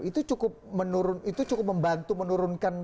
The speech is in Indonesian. itu cukup menurun itu cukup membantu menurunkan